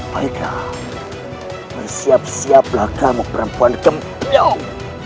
baiklah bersiap siap lah kamu perempuan gembong